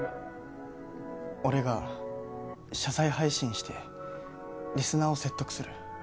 俺が謝罪配信してリスナーを説得する。